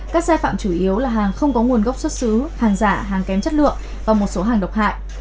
các sai phạm chủ yếu là hàng không có nguồn gốc xuất xứ hàng giả hàng kém chất lượng và một số hàng độc hại